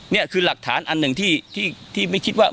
นี่คือหลักฐานอันหนึ่งที่ไม่คิดว่า